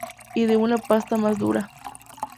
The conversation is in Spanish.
Y de una pasta más dura.".